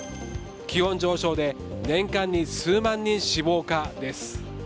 気温上昇で年間に数万人死亡か、です。